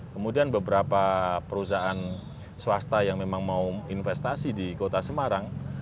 kemudian beberapa perusahaan swasta yang memang mau investasi di kota semarang